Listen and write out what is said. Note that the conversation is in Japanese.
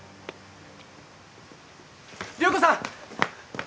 遼子さん！